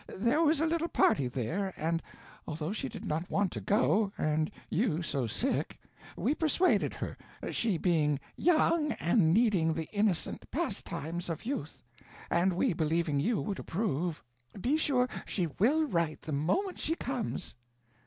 There was a little party there, and, although she did not want to go, and you so sick, we persuaded her, she being young and needing the innocent pastimes of youth, and we believing you would approve. Be sure she will write the moment she comes."